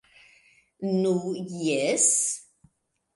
Nu, Jes.